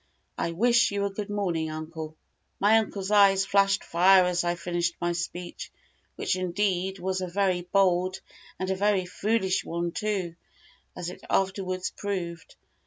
I wish you a good morning, uncle." My uncle's eyes flashed fire as I finished my speech, which indeed was a very bold, and a very foolish one too, as it afterwards proved.